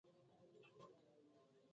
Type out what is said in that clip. څومره بې بنسټه کورونه مو جوړ کړي.